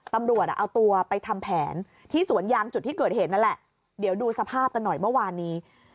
ตำรวจเอาตัวไปทำแผนที่สวนยางจุดที่เกิดเหตุนั่นแหละเดี๋ยวดูสภาพกันหน่อยเมื่อวานนี้